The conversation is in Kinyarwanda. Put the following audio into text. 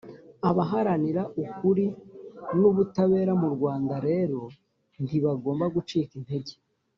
abaharanira ukuri n'ubutabera mu rwanda rero ntibagomba gucika intege.